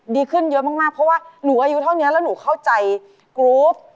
ดีขึ้นเยอะมากเพราะว่าหนูอายุเท่านี้แล้วหนูเข้าใจกรุ๊ป